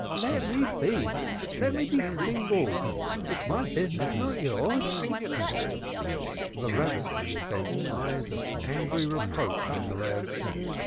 Let me be! Let me be single! It's my business, not yours." The Rebbitzin bent eyes of angry reproach on the Reb.